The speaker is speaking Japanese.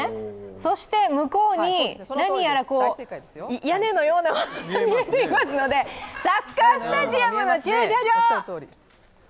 そして向こうに何やら屋根のようなものが見えていますのでサッカースタジアムの駐車場！